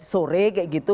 sore kayak gitu